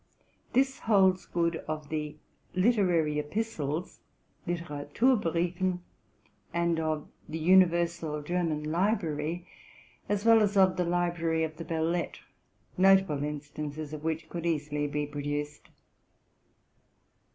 This holds good of the '' Literary Epistles'' ('' Literaturbriefen''), and of '* The Universal German Library,'' as well as of '' The Library of the Belles Lettres,'' notable instances of which could easily be produced.